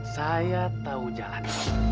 saya tahu jalan